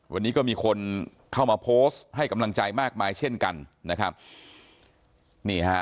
วันนี้ก็มีคนเข้ามาโพสต์ให้กำลังใจมากมายเช่นกันนะครับนี่ฮะ